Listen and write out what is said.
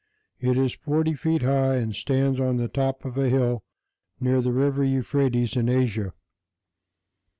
It is forty feet high and stands on the top of a hill near the River Euphrates in Asia.